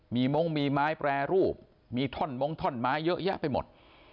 มีมงมีไม้แปรรูปมีท่อนมงท่อนไม้เยอะแยะไปหมด